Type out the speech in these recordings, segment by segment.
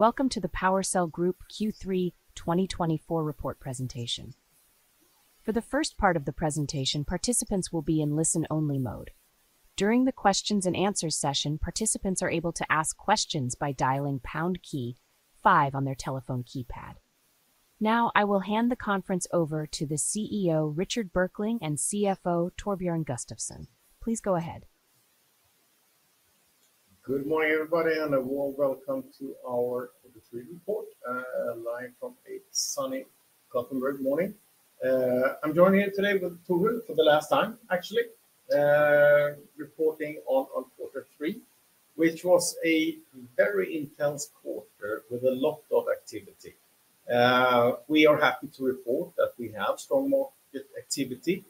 Welcome to the PowerCell Group Q3 2024 report presentation. For the first part of the presentation, participants will be in listen-only mode. During the questions and answers session, participants are able to ask questions by dialing pound key five on their telephone keypad. Now, I will hand the conference over to the CEO, Richard Berkling, and CFO, Torbjörn Gustafsson. Please go ahead. Good morning, everybody, and a warm welcome to our Q3 report, live from a sunny Gothenburg morning. I'm joined here today with Torbjörn for the last time, actually, reporting on quarter three, which was a very intense quarter with a lot of activity. We are happy to report that we have strong market activity.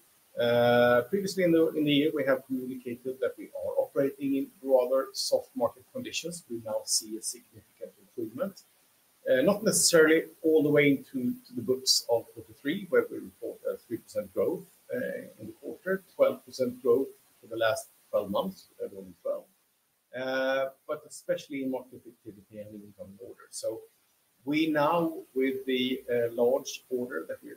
Previously in the year, we have communicated that we are operating in rather soft market conditions. We now see a significant improvement, not necessarily all the way into the books of quarter three, where we report a 3% growth in the quarter, 12% growth for the last twelve months, rolling twelve. But especially in market activity and incoming orders. We now, with the large order that we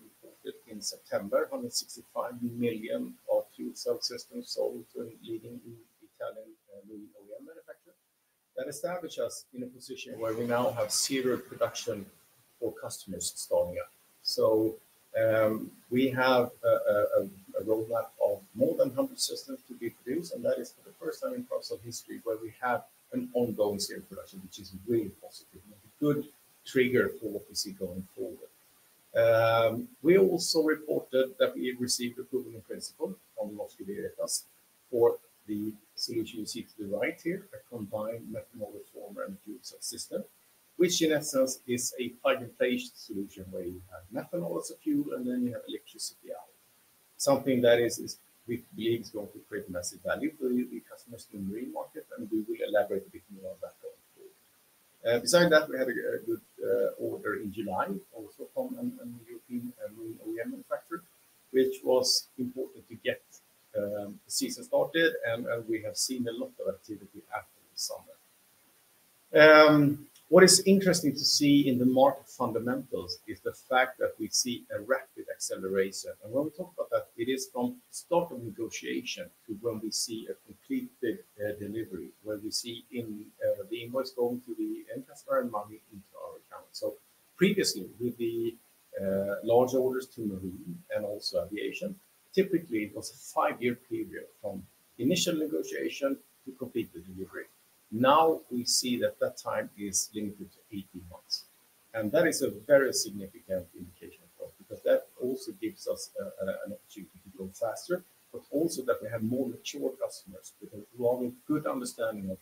reported in September, 165 million of fuel cell systems sold to a leading Italian marine OEM manufacturer, that establish us in a position where we now have series production for customers installing it. We have a roadmap of more than 100 systems to be produced, and that is for the first time in PowerCell history, where we have an ongoing serial production, which is really positive and a good trigger for what we see going forward. We also reported that we have received approval in principle from the Norwegian class for the solution you see to the right here, a combined methanol reformer and fuel cell system, which in essence is a hydrogen solution where you have methanol as a fuel, and then you have electricity out. Something that is we believe is going to create massive value for the customers in the marine market, and we will elaborate a bit more on that going forward. Beside that, we had a good order in July, also from an European marine OEM manufacturer, which was important to get the season started, and we have seen a lot of activity after the summer. What is interesting to see in the market fundamentals is the fact that we see a rapid acceleration. And when we talk about that, it is from start of negotiation to when we see a complete delivery, where we see the invoice going to the end customer and money into our account. So previously, with the large orders to marine and also aviation, typically, it was a five-year period from initial negotiation to complete the delivery. Now, we see that that time is limited to 18 months, and that is a very significant indication of growth because that also gives us an opportunity to grow faster, but also that we have more mature customers with a rather good understanding of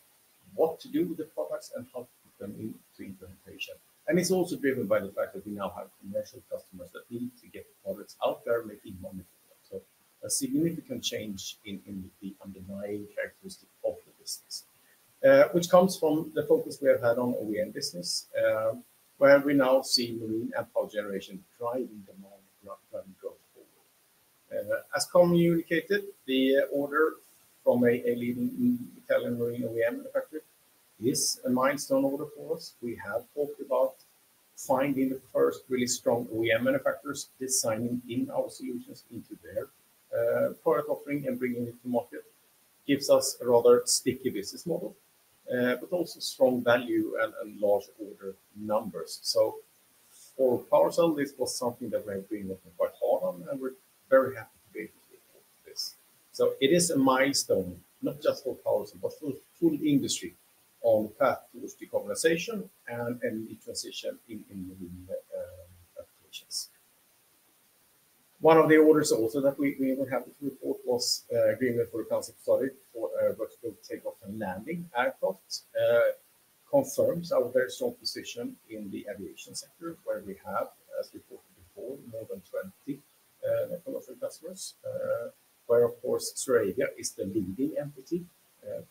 what to do with the products and how to put them into implementation. And it's also driven by the fact that we now have commercial customers that need to get the products out there, making money. So a significant change in the underlying characteristic of the business, which comes from the focus we have had on OEM business, where we now see marine and power generation driving demand going forward. As communicated, the order from a leading Italian marine OEM manufacturer is a milestone order for us. We have talked about finding the first really strong OEM manufacturers, designing in our solutions into their product offering and bringing it to market gives us a rather sticky business model, but also strong value and large order numbers. So for PowerCell, this was something that we've been working quite hard on, and we're very happy to be able to report this. So it is a milestone, not just for PowerCell, but for the industry on path to decarbonization and transition in applications. One of the orders also that we were happy to report was agreement for a concept study for vertical take-off and landing aircraft. Confirms our very strong position in the aviation sector, where we have, as we reported before, more than 20 methanol customers, where, of course, ZeroAvia is the leading entity,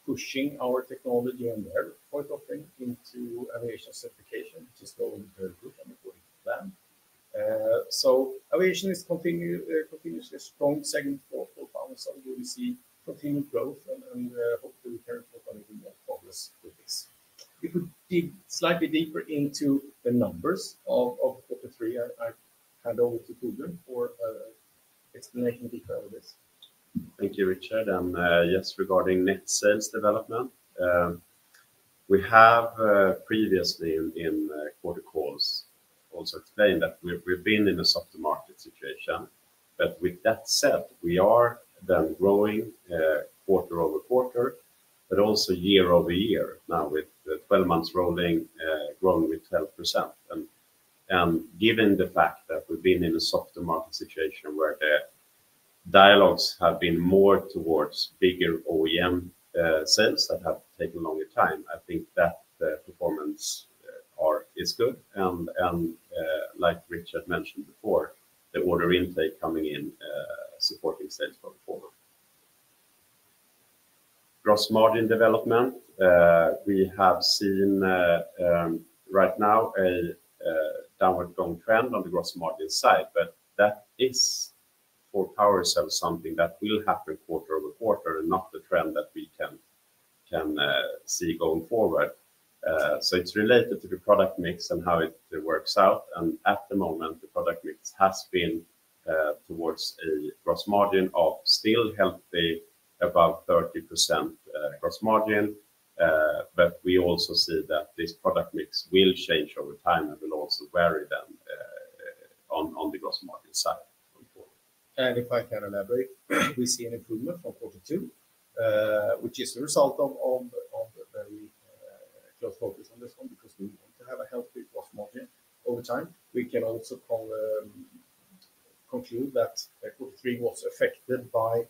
pushing our technology and their product offering into aviation certification, which is going very good and according to plan. So aviation continues a strong segment for PowerCell, where we see continued growth and hopefully we can report on even more progress with this. If we dig slightly deeper into the numbers of quarter three, I hand over to Torbjörn for explanation in detail of this. Thank you, Richard. Yes, regarding net sales development, we have previously in quarter calls also explained that we've been in a softer market situation. But with that said, we are then growing quarter over quarter, but also year over year now with the twelve months rolling growing with 12%. Given the fact that we've been in a softer market situation where the dialogues have been more towards bigger OEM sales that have taken a longer time, I think that the performance is good. Like Richard mentioned before, the order intake coming in supporting sales performance. Gross margin development, we have seen right now a downward going trend on the gross margin side, but that is-... for PowerCell, something that will happen quarter over quarter and not the trend that we can see going forward. So it's related to the product mix and how it works out, and at the moment, the product mix has been towards a gross margin of still healthy, about 30%, gross margin. But we also see that this product mix will change over time and will also vary then on the gross margin side going forward. And if I can elaborate, we see an improvement from quarter two, which is the result of the very close focus on this one, because we want to have a healthy gross margin over time. We can also conclude that quarter three was affected by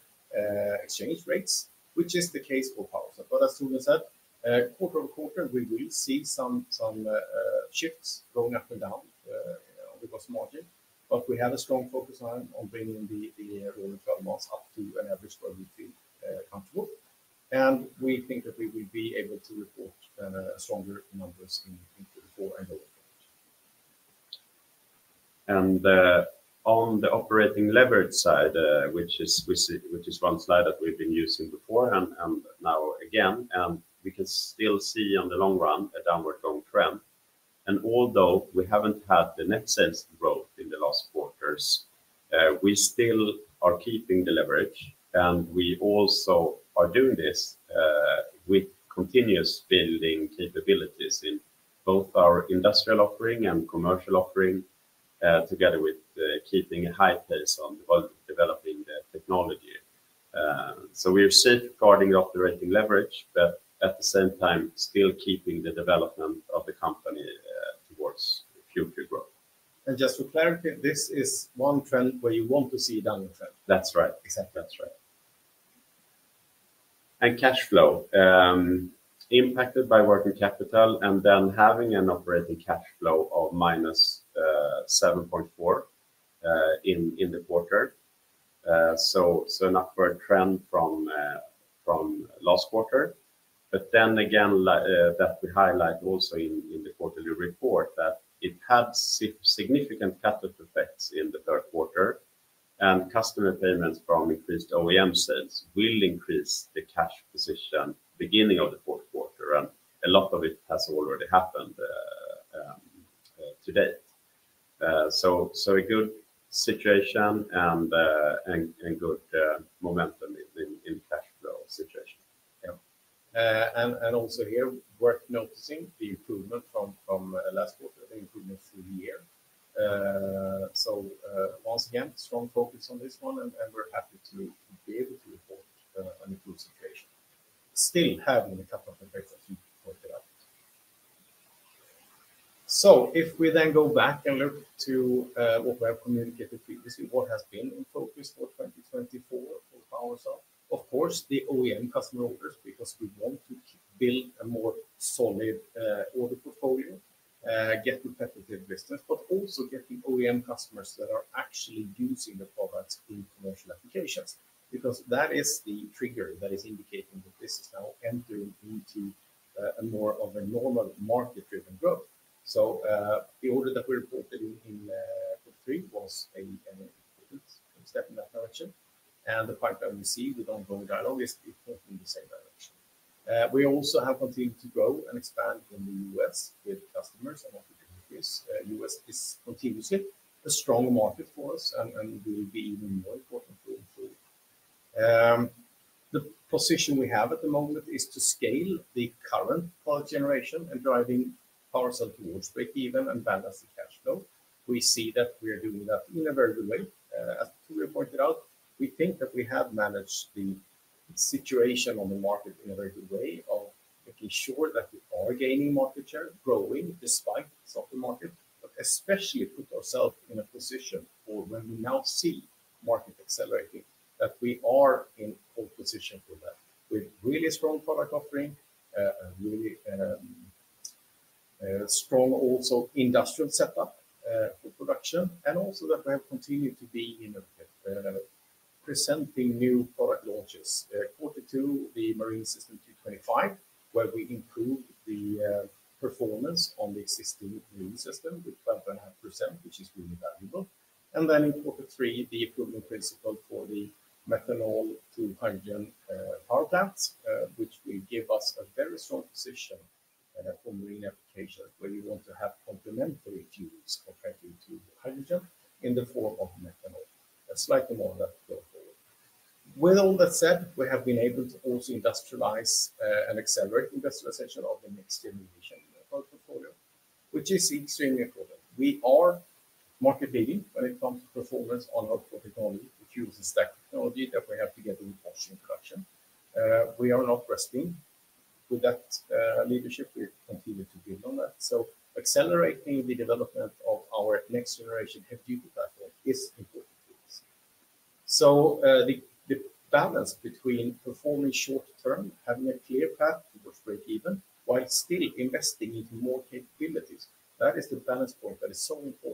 exchange rates, which is the case for PowerCell. But as soon as that quarter over quarter, we will see some shifts going up and down on the gross margin. But we have a strong focus on bringing the rolling twelve months up to an average where we feel comfortable. And we think that we will be able to report stronger numbers in Q4 and going forward. On the operating leverage side, which is one slide that we've been using before, and now again, and we can still see in the long run, a downward-going trend. Although we haven't had the net sales growth in the last quarters, we still are keeping the leverage, and we also are doing this, with continuous building capabilities in both our industrial offering and commercial offering, together with, keeping a high pace on developing the technology. We are safeguarding the operating leverage, but at the same time, still keeping the development of the company, towards future growth. Just for clarity, this is one trend where you want to see a downward trend. That's right. Exactly. That's right, and cash flow impacted by working capital and then having an operating cash flow of -7.4 in the quarter, so an upward trend from last quarter, but then again, that we highlight also in the quarterly report, that it had significant cut-through effects in the third quarter, and customer payments from increased OEM sales will increase the cash position beginning of the fourth quarter, and a lot of it has already happened to date, so a good situation and good momentum in cash flow situation. Yeah. And also here, worth noticing the improvement from last quarter, the improvement through the year. So, once again, strong focus on this one, and we're happy to be able to report an improved situation, still having a couple of effects, as you pointed out. So if we then go back and look to what we have communicated previously, what has been in focus for 2024 for PowerCell, of course, the OEM customer orders, because we want to build a more solid order portfolio, get competitive business, but also getting OEM customers that are actually using the products in commercial applications. Because that is the trigger that is indicating that this is now entering into a more of a normal market-driven growth. The order that we reported in quarter three was an improvement, a step in that direction. The pipeline that we see with ongoing dialogue is pointing in the same direction. We also have continued to grow and expand in the U.S. with customers, and what we do is the U.S. is continuously a strong market for us and will be even more important going forward. The position we have at the moment is to scale the current product generation and driving PowerCell towards breakeven and balance the cash flow. We see that we are doing that in a very good way. As we pointed out, we think that we have managed the situation on the market in a very good way of making sure that we are gaining market share, growing despite softer market, but especially put ourselves in a position for when we now see market accelerating, that we are in pole position for that. With really strong product offering, a really strong also industrial setup, for production, and also that we have continued to be innovative, presenting new product launches. Quarter two, the Marine System 225, where we improved the performance on the existing Marine System with 12.5%, which is really valuable. And then in quarter three, the improvement principle for the methanol to hydrogen power plants, which will give us a very strong position for marine applications, where you want to have complementary fuels compared to hydrogen in the form of methanol. A slightly more on that to go forward. With all that said, we have been able to also industrialize and accelerate industrialization of the next generation product portfolio, which is extremely important. We are market leading when it comes to performance on our technology, which uses that technology that we have to get in volume production. We are not resting with that leadership. We continue to build on that. So accelerating the development of our next generation heavy-duty platform is important to us. So, the balance between performing short term, having a clear path towards breakeven, while still investing into more capabilities, that is the balance point that is so important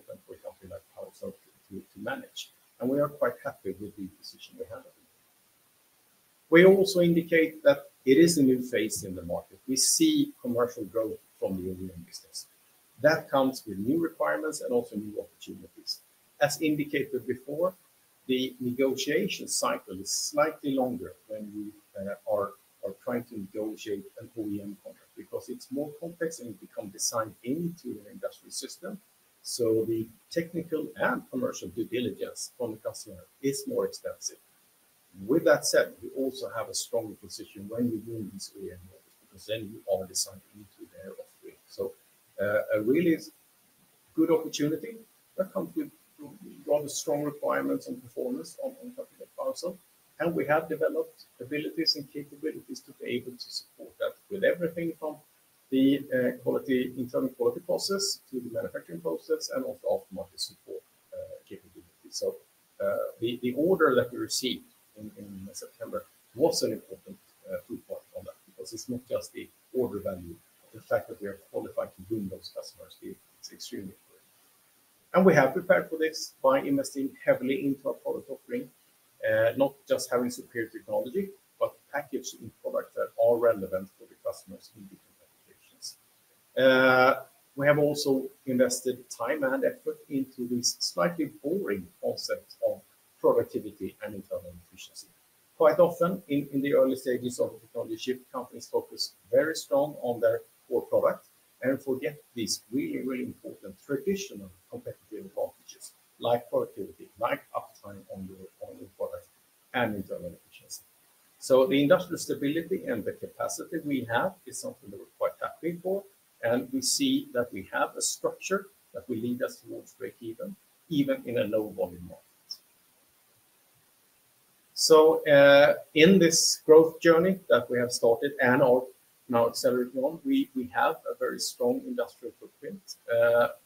for a company like PowerCell to manage, and we are quite happy with the position we have. We also indicate that it is a new phase in the market. We see commercial growth from the OEM business. That comes with new requirements and also new opportunities. As indicated before, the negotiation cycle is slightly longer when we are trying to negotiate an OEM contract because it's more complex and it become designed into an industrial system. So the technical and commercial due diligence from the customer is more expensive. With that said, we also have a stronger position when we win these OEM orders, because then you are designed into their offering. So, a really good opportunity that comes with rather strong requirements and performance on behalf of that parcel, and we have developed abilities and capabilities to be able to support that with everything from the quality, internal quality process to the manufacturing process and also aftermarket support capabilities. So, the order that we received in September was an important viewpoint on that, because it's not just the order value, but the fact that we are qualified to win those customers is extremely important. And we have prepared for this by investing heavily into our product offering, not just having superior technology, but packaged in products that are relevant for the customers in different applications. We have also invested time and effort into this slightly boring concept of productivity and internal efficiency. Quite often in the early stages of a technology shift, companies focus very strong on their core product and forget these really, really important traditional competitive advantages, like productivity, like uptime on your product, and internal efficiency. So the industrial stability and the capacity we have is something that we're quite happy for, and we see that we have a structure that will lead us towards breakeven, even in a low-volume market. So, in this growth journey that we have started and are now accelerating on, we have a very strong industrial footprint.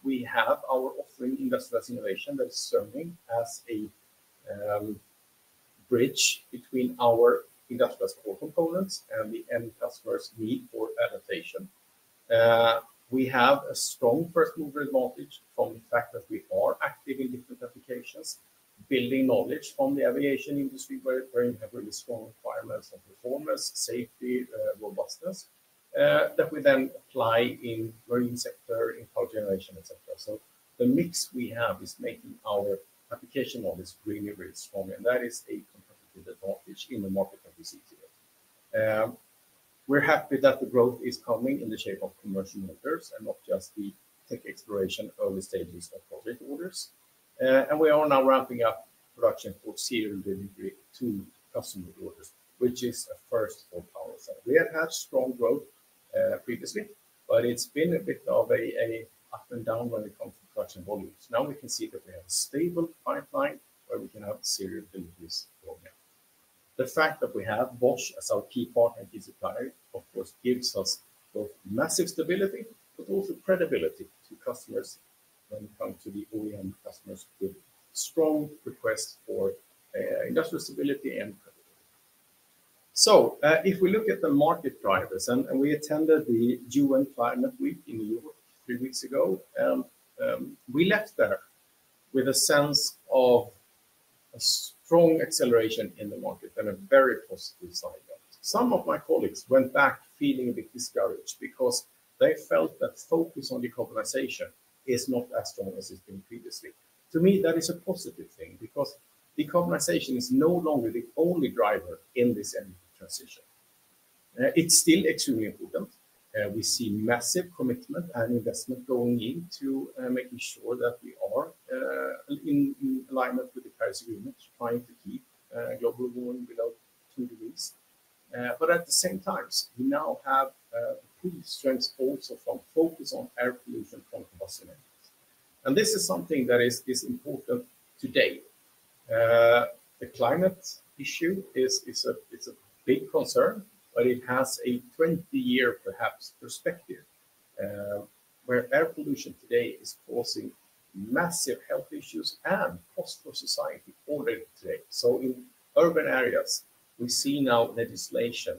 We have our offering, Industrialization, that is serving as a bridge between our industrial core components and the end customer's need for adaptation. We have a strong first-mover advantage from the fact that we are active in different applications, building knowledge from the aviation industry, where you have really strong requirements of performance, safety, robustness, that we then apply in marine sector, in cogeneration, et cetera, so the mix we have is making our application model is really, really strong, and that is a competitive advantage in the market that we see today. We're happy that the growth is coming in the shape of commercial orders and not just the tech exploration, early stages of project orders, and we are now ramping up production for serial delivery to customer orders, which is a first for PowerCell. We have had strong growth, previously, but it's been a bit of a up and down when it comes to production volumes. Now we can see that we have a stable pipeline where we can have serial deliveries going out. The fact that we have Bosch as our key partner and supplier, of course, gives us both massive stability, but also credibility to customers when it comes to the OEM customers with strong requests for industrial stability and credibility. So, if we look at the market drivers, and we attended the U.N. Climate Week in New York three weeks ago, and we left there with a sense of a strong acceleration in the market and a very positive sign of that. Some of my colleagues went back feeling a bit discouraged because they felt that focus on decarbonization is not as strong as it's been previously. To me, that is a positive thing, because decarbonization is no longer the only driver in this energy transition. It's still extremely important. We see massive commitment and investment going into making sure that we are in alignment with the Paris Agreement, trying to keep global warming below two degrees. But at the same time, we now have pretty strengths also from focus on air pollution from combustion energies. This is something that is important today. The climate issue is a big concern, but it has a twenty-year, perhaps, perspective, where air pollution today is causing massive health issues and costs for society already today. In urban areas, we see now legislation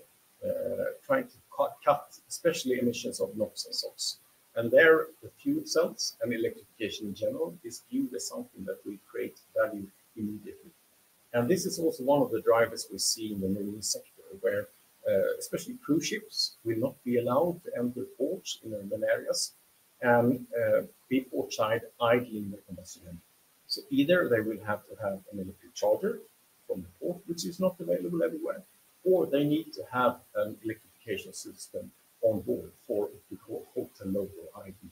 trying to cut especially emissions of NOx and SOx. There, the fuel cells and electrification in general is viewed as something that will create value immediately. And this is also one of the drivers we see in the marine sector, where especially cruise ships will not be allowed to enter ports in urban areas and be portside idling with combustion engine. So either they will have to have an electric charger from the port, which is not available everywhere, or they need to have an electrification system on board for the port and local idling.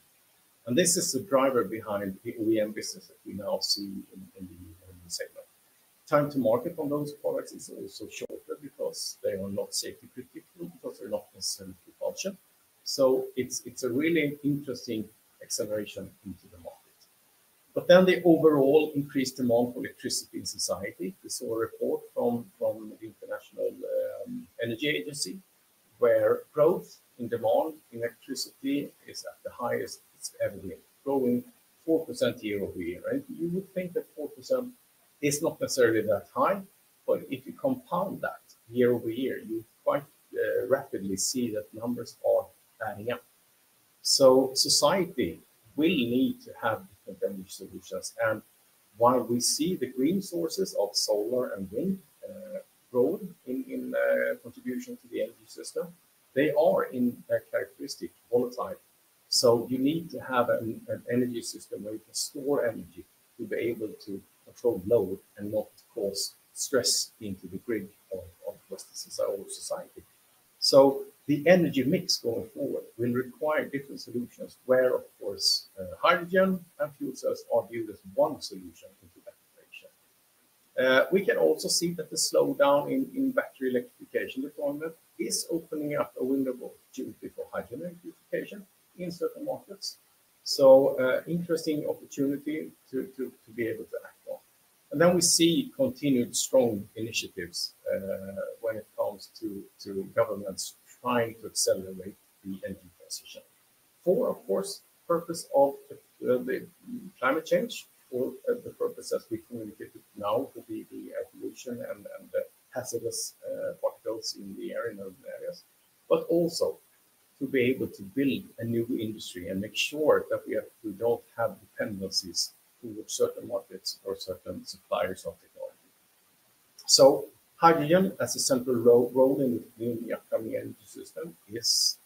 And this is the driver behind the OEM business that we now see in the urban segment. Time to market on those products is also shorter because they are not safety-critical, because they're not concerned with function. So it's a really interesting acceleration into the market. But then the overall increased demand for electricity in society. We saw a report from International Energy Agency, where growth in demand in electricity is at the highest it's ever been, growing 4% year over year, right? You would think that 4% is not necessarily that high, but if you compound that year over year, you quite rapidly see that numbers are adding up. So society, we need to have different energy solutions. And while we see the green sources of solar and wind grow in contribution to the energy system, they are inherently volatile. So you need to have an energy system where you can store energy to be able to control load and not cause stress into the grid, of course, our society. The energy mix going forward will require different solutions, where, of course, hydrogen and fuel cells are viewed as one solution into that equation. We can also see that the slowdown in battery electrification deployment is opening up a window of opportunity for hydrogen electrification in certain markets. Interesting opportunity to be able to act on. We see continued strong initiatives, when it comes to governments trying to accelerate the energy transition. For, of course, purpose of the climate change, for the purpose as we communicate it now, to the air pollution and the hazardous particles in the air in urban areas, but also to be able to build a new industry and make sure that we don't have dependencies to certain markets or certain suppliers of technology. Hydrogen, as a central role in the upcoming energy system, is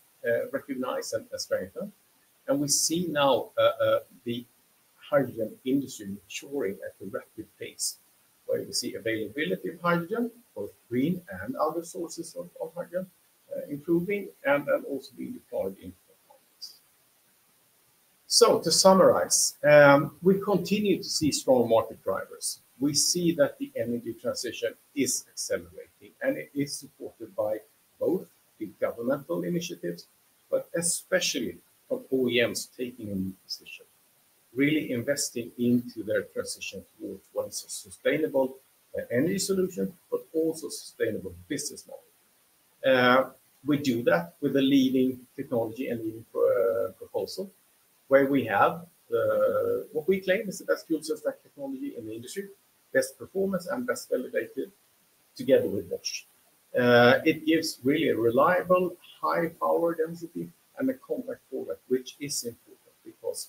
recognized and strengthened, and we see now the hydrogen industry maturing at a rapid pace, where you see availability of hydrogen, both green and other sources of hydrogen, improving and then also being deployed into the markets. To summarize, we continue to see strong market drivers. We see that the energy transition is accelerating, and it is supported by both the governmental initiatives, but especially of OEMs taking a new position, really investing into their transition towards what is a sustainable energy solution, but also sustainable business model. We do that with a leading technology and leading proposal, where we have what we claim is the best fuel cell stack technology in the industry, best performance and best validated together with Bosch. It gives really a reliable, high power density and a compact product, which is important because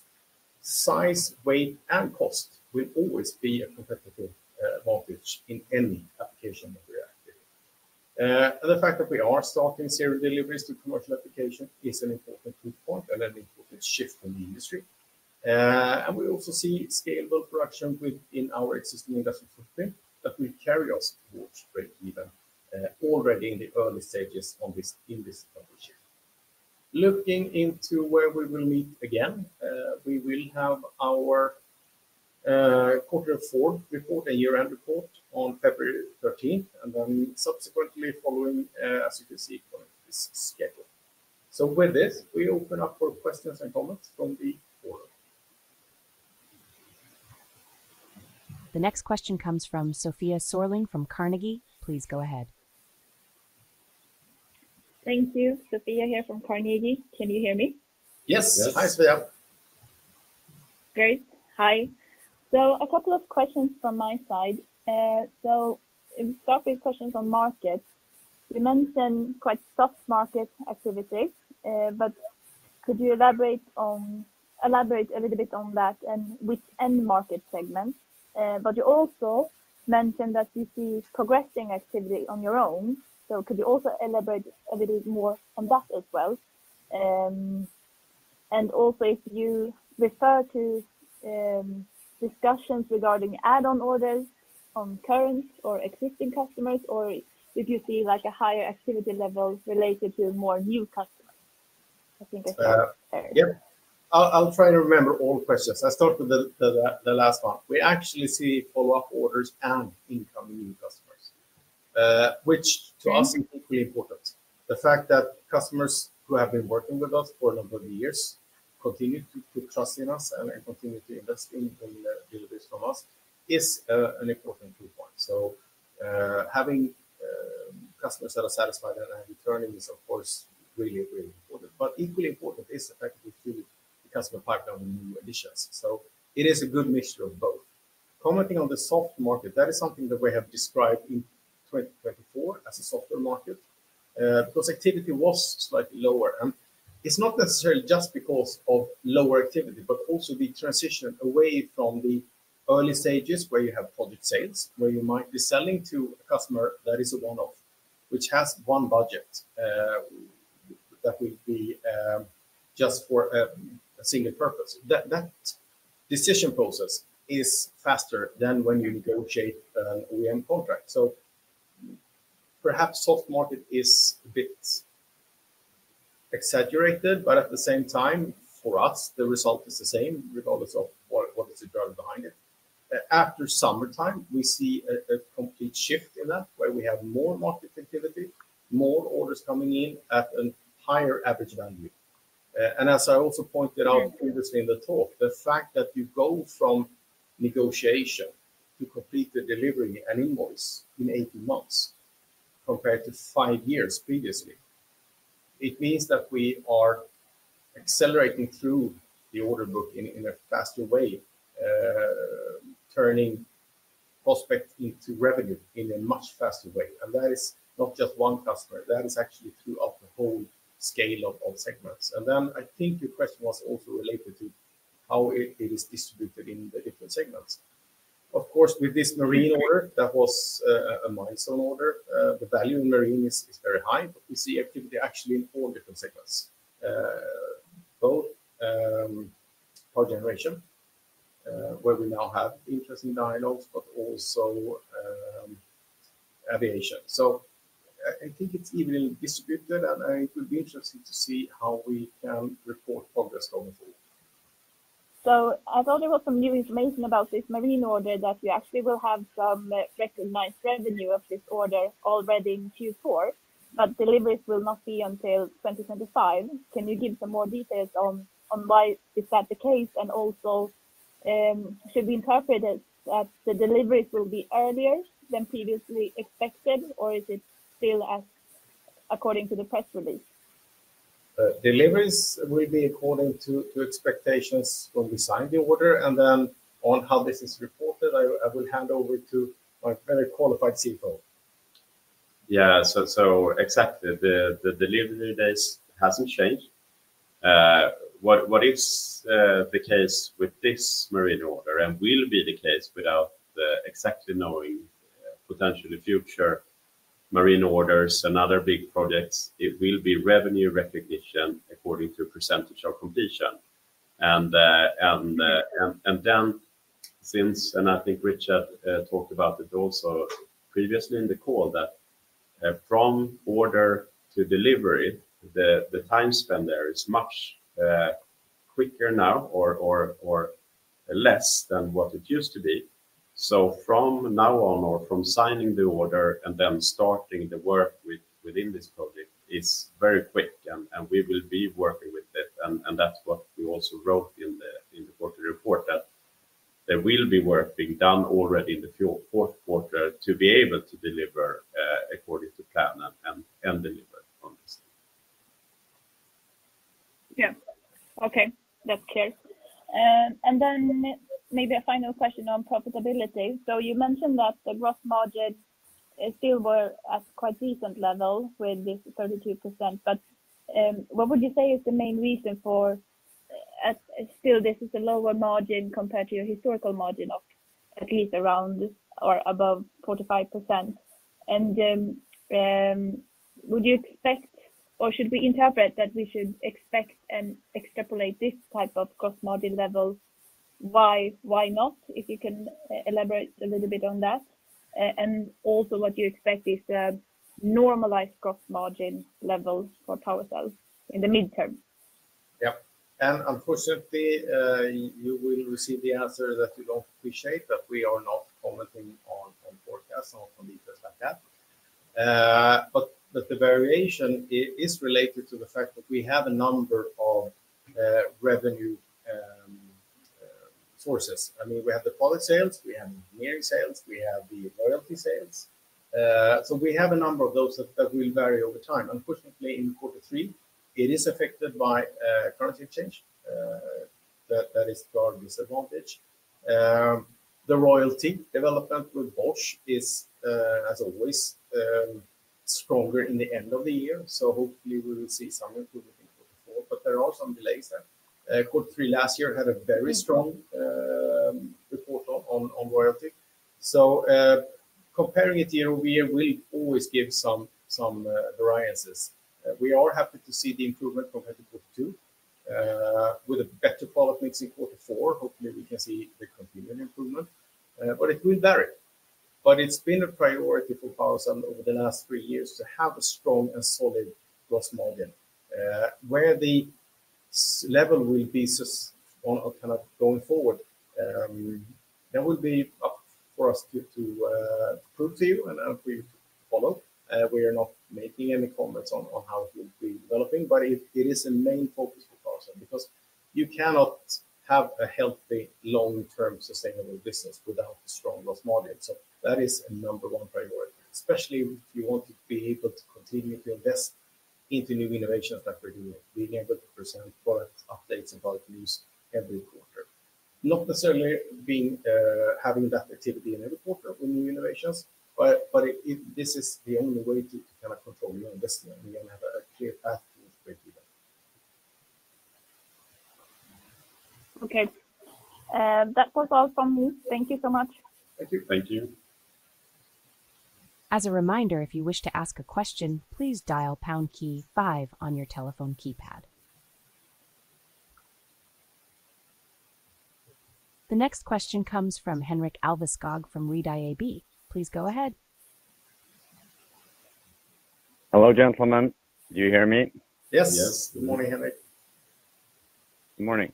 size, weight, and cost will always be a competitive advantage in any application that we are active in, and the fact that we are starting serial deliveries to commercial application is an important proof point and an important shift in the industry, and we also see scalable production within our existing industrial footprint that will carry us towards breakeven already in the early stages on this, in this platform. Looking into where we will meet again, we will have our quarter four report and year-end report on February thirteenth, and then subsequently following, as you can see, according to this schedule. So with this, we open up for questions and comments from the forum. The next question comes from Sofia Sörling from Carnegie. Please go ahead. Thank you. Sofia here from Carnegie. Can you hear me? Yes. Yes. Hi, Sofia. Great. Hi. So a couple of questions from my side. So if we start with questions on market, you mentioned quite soft market activity, but could you elaborate a little bit on that and which end market segments? But you also mentioned that you see progressing activity on your own, so could you also elaborate a little more on that as well? And also, if you refer to discussions regarding add-on orders on current or existing customers, or if you see, like, a higher activity level related to more new customers? I think I saw- Yep. I'll try to remember all questions. I'll start with the last one. We actually see follow-up orders and incoming new customers, which to us is equally important. The fact that customers who have been working with us for a number of years continue to trust in us and continue to invest in deliveries from us is an important proof point. So, having customers that are satisfied and returning is, of course, really important. But equally important is effectively keeping the customer pipeline with new additions. So it is a good mixture of both. Commenting on the soft market, that is something that we have described in 2024 as a softer market, because activity was slightly lower. And it's not necessarily just because of lower activity, but also the transition away from the early stages, where you have project sales, where you might be selling to a customer that is a one-off, which has one budget, that would be just for a single purpose. That decision process is faster than when you negotiate an OEM contract. So perhaps soft market is a bit exaggerated, but at the same time, for us, the result is the same, regardless of what is the driver behind it. After summertime, we see a complete shift in that, where we have more market activity, more orders coming in at a higher average value. And as I also pointed out previously in the talk, the fact that you go from negotiation to complete the delivery and invoice in eighteen months, compared to five years previously, it means that we are accelerating through the order book in a faster way, turning prospect into revenue in a much faster way. And that is not just one customer, that is actually throughout the whole scale of segments. And then I think your question was also related to how it is distributed in the different segments. Of course, with this marine order, that was a milestone order. The value in marine is very high, but we see activity actually in all different segments. Both power generation, where we now have interesting dialogues, but also aviation. I think it's evenly distributed, and it will be interesting to see how we can report progress going forward. So I thought there was some new information about this marine order that we actually will have some recognized revenue of this order already in Q4, but deliveries will not be until 2025. Can you give some more details on why is that the case? And also, should we interpret it that the deliveries will be earlier than previously expected, or is it still as according to the press release? Deliveries will be according to expectations when we signed the order, and then on how this is reported, I will hand over to my very qualified CFO. Yeah. So exactly, the delivery days hasn't changed. What is the case with this marine order and will be the case without the exactly knowing potentially future marine orders and other big projects? It will be revenue recognition according to percentage of completion, and then since I think Richard talked about it also previously in the call, that from order to delivery, the time spent there is much quicker now or less than what it used to be. So from now on, or from signing the order and then starting the work within this project, is very quick, and we will be working with it, and that's what we also wrote in the quarter report, that there will be work being done already in the fourth quarter to be able to deliver according to plan and deliver on this. Yeah. Okay, that's clear. And then maybe a final question on profitability. So you mentioned that the gross margin is still were at quite decent level with this 32%. But, what would you say is the main reason for, still this is a lower margin compared to your historical margin of at least around or above 45%. And, would you expect or should we interpret that we should expect and extrapolate this type of gross margin levels? Why, why not? If you can elaborate a little bit on that, and also what you expect is the normalized gross margin levels for PowerCell in the midterm. Yeah. And unfortunately, you will receive the answer that you don't appreciate, that we are not commenting on forecast or on details like that. But the variation is related to the fact that we have a number of revenue sources. I mean, we have the product sales, we have engineering sales, we have the royalty sales. So we have a number of those that will vary over time. Unfortunately, in quarter three, it is affected by currency change that is to our disadvantage. The royalty development with Bosch is, as always, stronger in the end of the year, so hopefully we will see some improvement in quarter four, but there are some delays there. Quarter three last year had a very strong report on royalty. Comparing it year over year will always give some variances. We are happy to see the improvement compared to quarter two, with a better product mix in quarter four. Hopefully, we can see the continuing improvement, but it will vary. It has been a priority for PowerCell over the last three years to have a strong and solid gross margin. Where the sustainable level will be on a kind of going forward, that will be up for us to prove to you and as we follow. We are not making any comments on how it will be developing, but it is a main focus for PowerCell because you cannot have a healthy, long-term, sustainable business without a strong gross margin. So that is a number one priority, especially if you want to be able to continue to invest into new innovations like we're doing, being able to present product updates and product news every quarter. Not necessarily being, having that activity in every quarter with new innovations, but, but it, this is the only way to kind of control your investment, and we have a clear path to deliver. Okay. That was all from me. Thank you so much. Thank you. Thank you. As a reminder, if you wish to ask a question, please dial pound key five on your telephone keypad. The next question comes from Henrik Alveskog from Redeye AB. Please go ahead. Hello, gentlemen. Do you hear me? Yes. Yes. Good morning, Henrik. Good morning.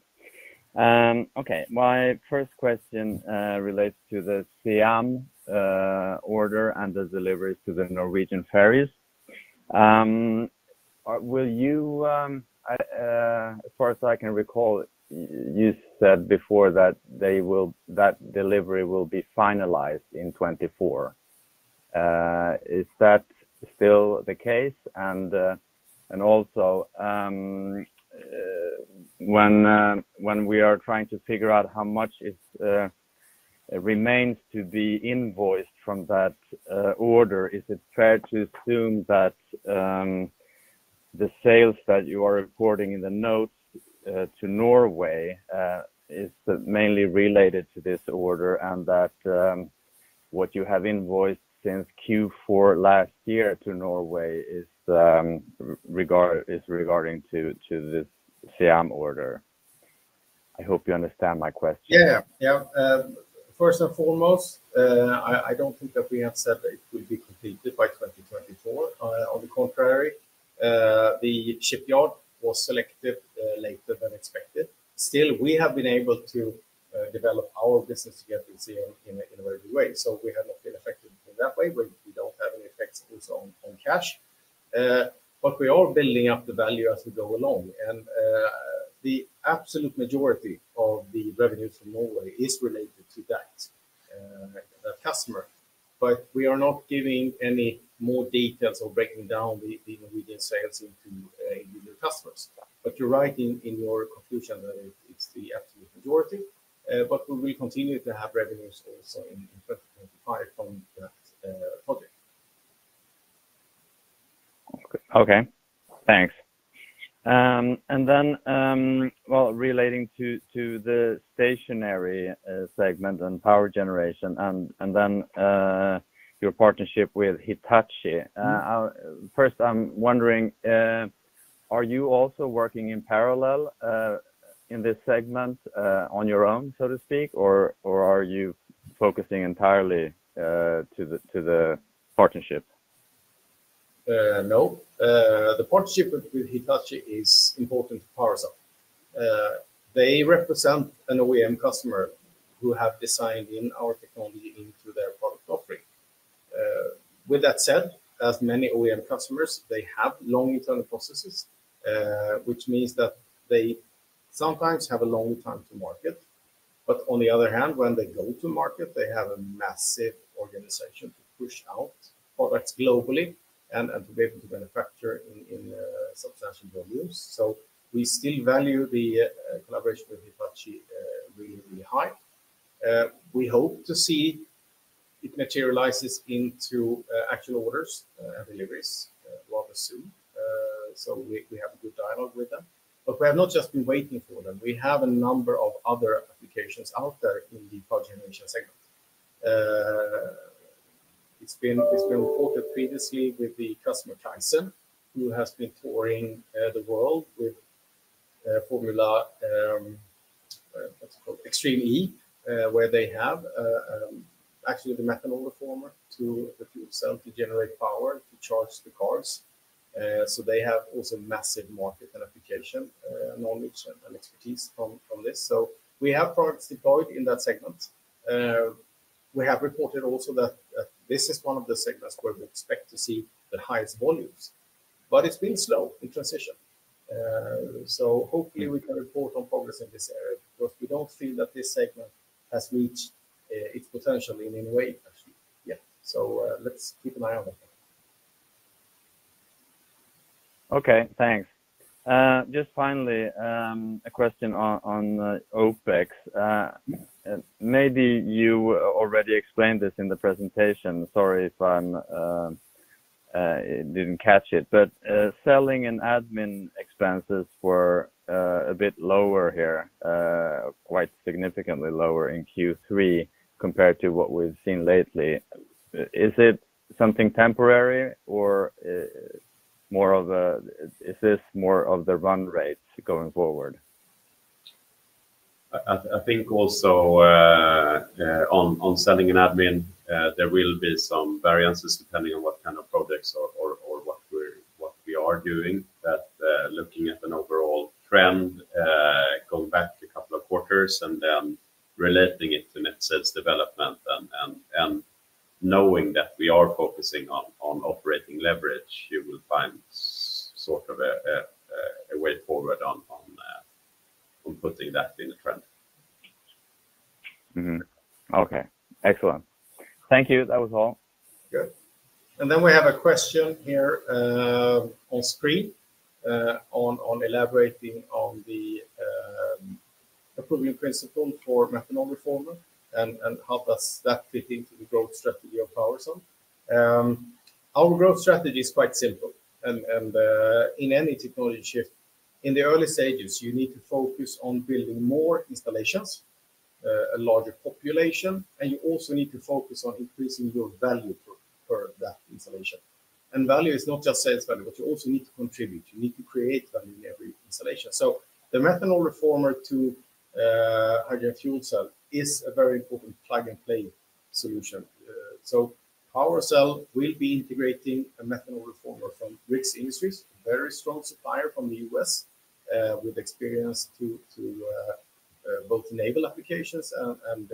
Okay, my first question relates to the SEAM order and the deliveries to the Norwegian ferries. Will you... As far as I can recall, you said before that delivery will be finalized in 2024. Is that still the case? And also, when we are trying to figure out how much it remains to be invoiced from that order, is it fair to assume that the sales that you are recording in the notes to Norway is mainly related to this order, and that what you have invoiced since Q4 last year to Norway is regarding to this SEAM order? I hope you understand my question. Yeah. First and foremost, I don't think that we have said that it will be completed by 2024. On the contrary, the shipyard was selected later than expected. Still, we have been able to develop our business together with SEAM in a very good way. So we have not been affected in that way, but we don't have any effects also on cash. But we are building up the value as we go along, and the absolute majority of the revenues from Norway is related to that customer. But we are not giving any more details or breaking down the Norwegian sales into individual customers. But you're right in your conclusion that it's the absolute majority, but we will continue to have revenues also in 2025 from that project. Okay. Thanks. And then, well, relating to the stationary segment and power generation and then your partnership with Hitachi. Mm. First, I'm wondering, are you also working in parallel, in this segment, on your own, so to speak, or are you focusing entirely to the partnership? No. The partnership with Hitachi is important to PowerCell. They represent an OEM customer who have designed in our technology into their product offering. With that said, as many OEM customers, they have long internal processes, which means that they sometimes have a long time to market. But on the other hand, when they go to market, they have a massive organization to push out products globally and to be able to manufacture in substantial volumes. So we still value the collaboration with Hitachi really, really high. We hope to see it materializes into actual orders and deliveries rather soon. So we have a good dialogue with them, but we have not just been waiting for them. We have a number of other applications out there in the power generation segment. It's been reported previously with the customer, Kaizen, who has been touring the world with formula, what's it called? Extreme E, where they have actually the methanol reformer to the fuel cell to generate power to charge the cars, so they have also massive market and application knowledge and expertise from this. We have products deployed in that segment. We have reported also that this is one of the segments where we expect to see the highest volumes, but it's been slow in transition, so hopefully we can report on progress in this area, because we don't feel that this segment has reached its potential in any way actually yet, so let's keep an eye on it. Okay, thanks. Just finally, a question on OpEx. Maybe you already explained this in the presentation. Sorry if I didn't catch it, but selling and admin expenses were a bit lower here, quite significantly lower in Q3 compared to what we've seen lately. Is it something temporary, or is this more of the run rate going forward? I think also on selling and admin there will be some variances depending on what kind of products or what we are doing, but looking at an overall trend going back a couple of quarters and then relating it to net sales development and knowing that we are focusing on operating leverage, you will find sort of a way forward on putting that in a trend. Mm-hmm. Okay, excellent. Thank you. That was all. Good. And then we have a question here on screen on elaborating on the Approval in Principle for methanol reformer and how does that fit into the growth strategy of PowerCell. Our growth strategy is quite simple, and in any technology shift, in the early stages, you need to focus on building more installations, a larger population, and you also need to focus on increasing your value per that installation. And value is not just sales value, but you also need to contribute. You need to create value in every installation. So the methanol reformer to hydrogen fuel cell is a very important plug-and-play solution. So PowerCell will be integrating a methanol reformer from RIX Industries, a very strong supplier from the U.S., with experience to both naval applications and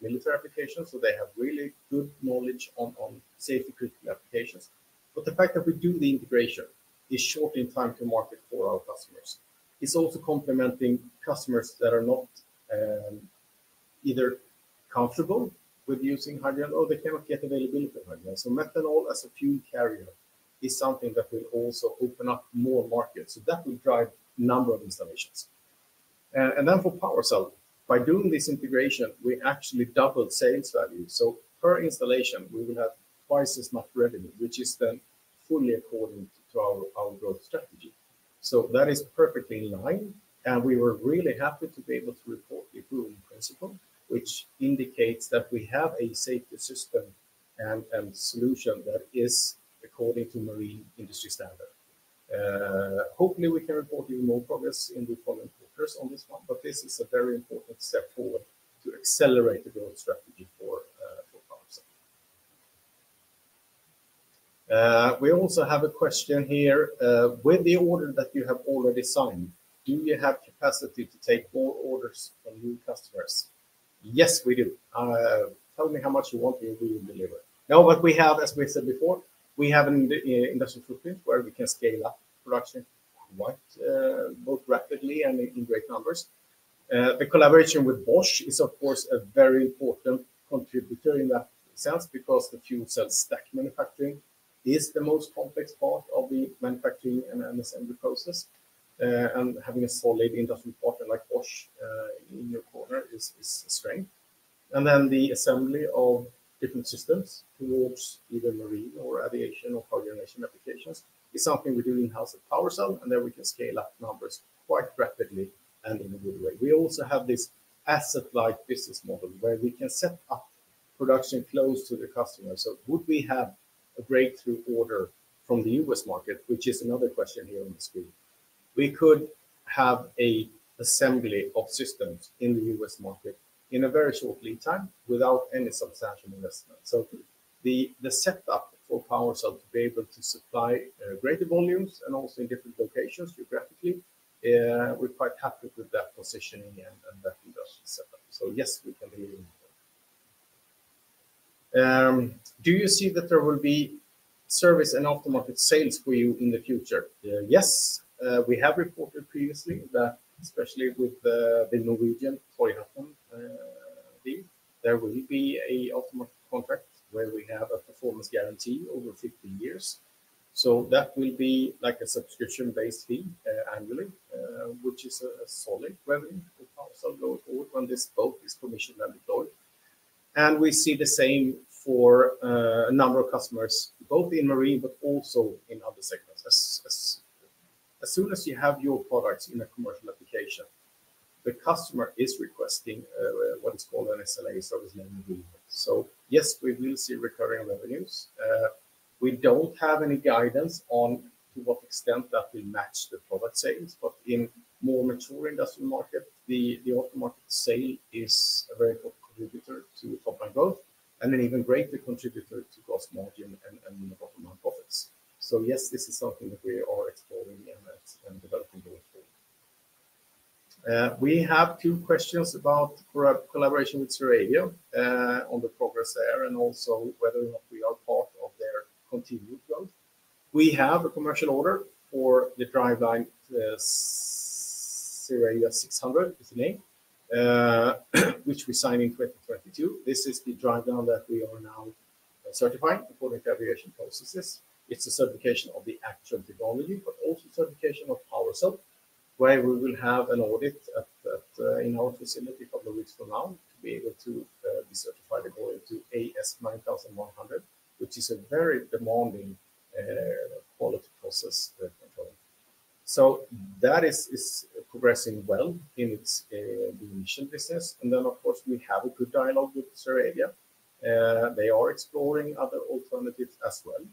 military applications. So they have really good knowledge on safety critical applications. But the fact that we do the integration is shortening time to market for our customers. It's also complementing customers that are not either comfortable with using hydrogen or they cannot get availability of hydrogen. So methanol as a fuel carrier is something that will also open up more markets, so that will drive number of installations. And then for PowerCell, by doing this integration, we actually doubled sales value. So per installation, we will have twice as much revenue, which is then fully according to our growth strategy. So that is perfectly in line, and we were really happy to be able to report the approval in principle, which indicates that we have a safety system and solution that is according to marine industry standard. Hopefully, we can report even more progress in the following quarters on this one, but this is a very important step forward to accelerate the growth strategy for PowerCell. We also have a question here: with the order that you have already signed, do you have capacity to take more orders from new customers? Yes, we do. Tell me how much you want, and we will deliver. Now, what we have, as we said before, we have an industrial footprint where we can scale up production quite both rapidly and in great numbers. The collaboration with Bosch is, of course, a very important contributor in that sense because the fuel cell stack manufacturing is the most complex part of the manufacturing and assembly process. Having a solid industrial partner like Bosch in your corner is a strength. And then the assembly of different systems towards either marine or aviation or power generation applications is something we do in-house at PowerCell, and there we can scale up numbers quite rapidly and in a good way. We also have this asset-light business model, where we can set up production close to the customer. So would we have a breakthrough order from the U.S. market, which is another question here on the screen, we could have an assembly of systems in the U.S. market in a very short lead time without any substantial investment. So the setup for PowerCell to be able to supply greater volumes and also in different locations geographically, we're quite happy with that positioning and that industrial setup. So, yes, we can deliver. Do you see that there will be service and aftermarket sales for you in the future? Yes, we have reported previously that especially with the Norwegian Torghatten deal, there will be an aftermarket contract where we have a performance guarantee over 15 years. So that will be like a subscription-based fee annually, which is a solid revenue for PowerCell going forward when this boat is commissioned and deployed. And we see the same for a number of customers, both in marine but also in other segments. As soon as you have your products in a commercial application, the customer is requesting what is called an SLA, service level agreement. So, yes, we will see recurring revenues. We don't have any guidance on to what extent that will match the product sales, but in more mature industrial market, the aftermarket sale is a very good contributor to top-line growth and an even greater contributor to gross margin and the bottom-line profits. Yes, this is something that we are exploring and developing going forward. We have two questions about collaboration with ZeroAvia, on the progress there and also whether or not we are part of their continued growth. We have a commercial order for the driveline, ZA600 is the name, which we signed in 2022. This is the driveline that we are now certifying according to aviation processes. It's a certification of the actual technology, but also certification of PowerCell, where we will have an audit in our facility a couple of weeks from now to be able to be certified according to AS9100, which is a very demanding quality process control. So that is progressing well in its the initial business, and then, of course, we have a good dialogue with ZeroAvia. They are exploring other alternatives as well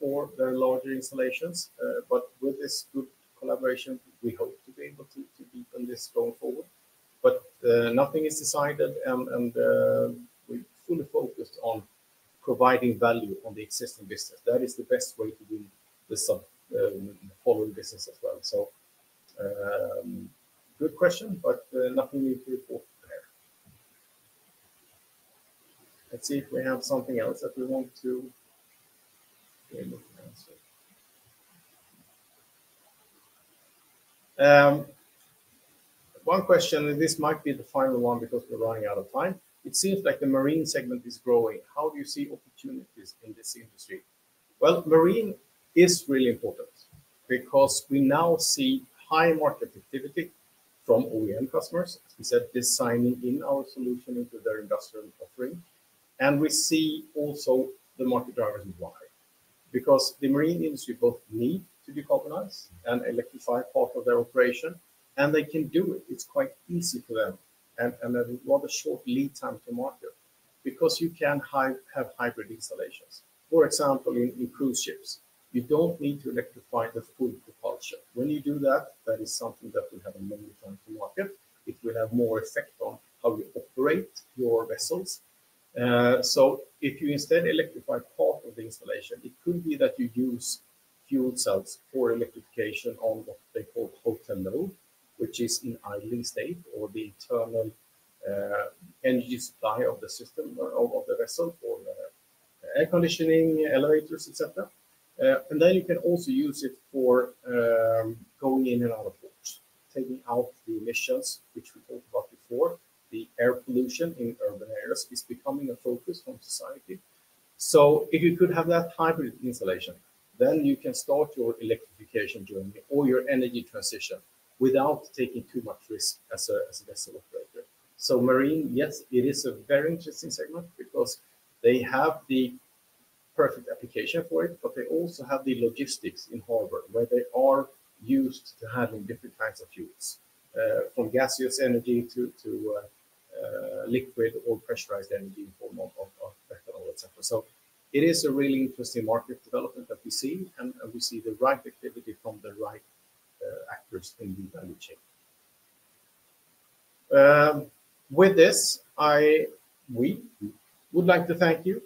for their larger installations, but with this good collaboration, we hope to be able to deepen this going forward. But nothing is decided, and we're fully focused on providing value on the existing business. That is the best way to do this following business as well. So good question, but nothing new to report there. Let's see if we have something else that we want to be able to answer. One question, and this might be the final one because we're running out of time: it seems like the marine segment is growing. How do you see opportunities in this industry? Well, marine is really important because we now see high market activity from OEM customers. We said they're signing in our solution into their industrial offering, and we see also the market drivers and why. Because the marine industry both need to decarbonize and electrify part of their operation, and they can do it. It's quite easy for them, and a rather short lead time to market because you can have hybrid installations. For example, in cruise ships, you don't need to electrify the full propulsion. When you do that, that is something that will have a long time to market. It will have more effect on how you operate your vessels. So if you instead electrify part of the installation, it could be that you use fuel cells for electrification on what they call hotel load, which is in idling state, or the internal energy supply of the system or of the vessel for the air conditioning, elevators, et cetera. And then you can also use it for going in and out of port, taking out the emissions, which we talked about before. The air pollution in urban areas is becoming a focus from society. So if you could have that hybrid installation, then you can start your electrification journey or your energy transition without taking too much risk as a vessel operator. So marine, yes, it is a very interesting segment because they have the perfect application for it, but they also have the logistics in harbor, where they are used to handling different types of fuels from gaseous energy to liquid or pressurized energy in form of methanol, et cetera. So it is a really interesting market development that we see, and we see the right activity from the right actors in the value chain. With this, we would like to thank you.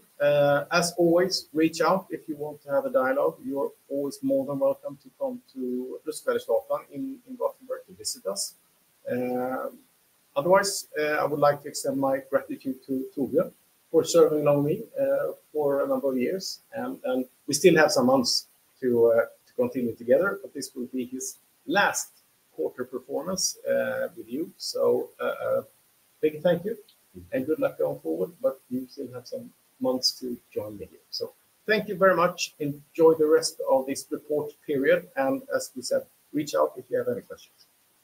As always, reach out if you want to have a dialogue. You are always more than welcome to come to Ruskvädersgatan in Gothenburg to visit us. Otherwise, I would like to extend my gratitude to Torbjörn for serving alongside me for a number of years, and we still have some months to continue together, but this will be his last quarter performance with you. So, big thank you- Thank you. - and good luck going forward, but you still have some months to join me here. So thank you very much. Enjoy the rest of this report period, and as we said, reach out if you have any questions.